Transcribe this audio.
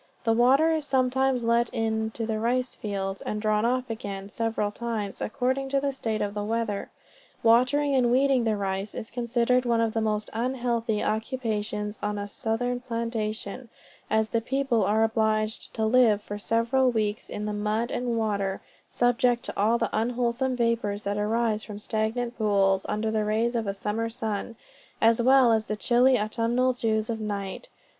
The water is sometimes let in to the rice fields, and drawn off again, several times, according to the state of the weather. Watering and weeding the rice is considered one of the most unhealthy occupations on a southern plantation, as the people are obliged to live for several weeks in the mud and water, subject to all the unwholesome vapors that arise from stagnant pools, under the rays of a summer sun, as well as the chilly autumnal dews of night.